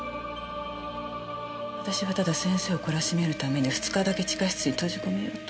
私はただ先生を懲らしめるために２日だけ地下室に閉じ込めようと。